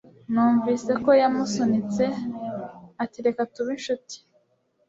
Numvise ko yamusunitse, ati: "Reka tube inshuti"